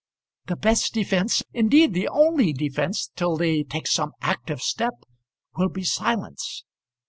"The best defence, indeed the only defence till they take some active step, will be silence.